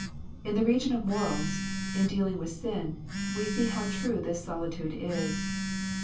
In the region of morals, in dealing with sin, we see how true this solitude is.